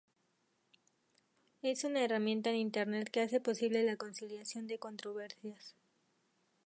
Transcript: Es una herramienta en internet que hace posible la conciliación de controversias.